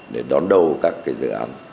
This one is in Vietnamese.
để đón đầu các cái dự án